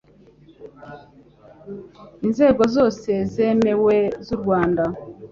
inzego zose zemewe z'u Rwanda,